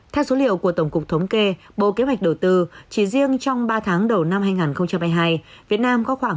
theo số liệu của tổng cục thống kê bộ kế hoạch đầu tư chỉ riêng trong ba tháng đầu năm hai nghìn hai mươi hai